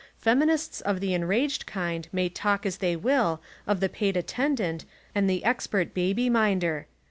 Fem inists of the enraged kind may talk as they win of the paid attendant and the expert baby minder.